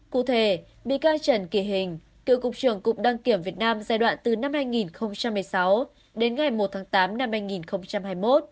cụ thể bị can trần kỳ hình cựu cục trưởng cục đăng kiểm việt nam giai đoạn từ năm hai nghìn một mươi sáu đến ngày một tháng tám năm hai nghìn hai mươi một